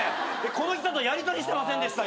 この人とやりとりしてませんでした？